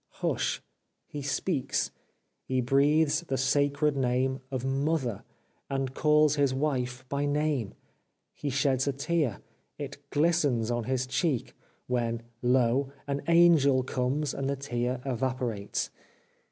Hush !... He speaks !... He breathes the sacred name of Mother, and calls his wife by name ! He sheds a tear, it ghstens on his cheek, when, lo ! an angel comes and the tear evaporates.